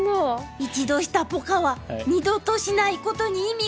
一度したポカは二度としないことに意味があります。